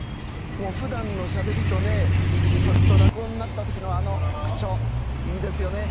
もうふだんのしゃべりとねそれと落語になった時のあの口調いいですよね。